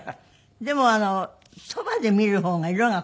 でもそばで見る方が色が濃く見えて。